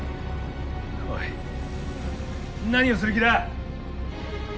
おい何をする気だ！